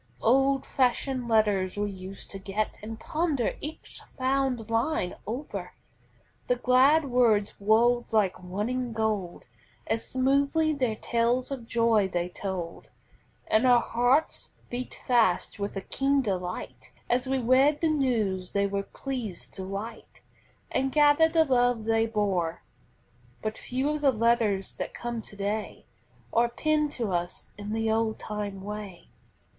Old fashioned letters we used to get And ponder each fond line o'er; The glad words rolled like running gold, As smoothly their tales of joy they told, And our hearts beat fast with a keen delight As we read the news they were pleased to write And gathered the love they bore. But few of the letters that come to day Are penned to us in the old time way.